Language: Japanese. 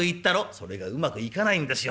「それがうまくいかないんですよ。